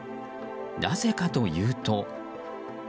なぜかというと。